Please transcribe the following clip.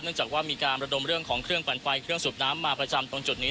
จากว่ามีการระดมเรื่องของเครื่องปั่นไฟเครื่องสูบน้ำมาประจำตรงจุดนี้